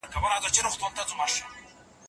موږ تاته قران کريم وحيي کړی دی.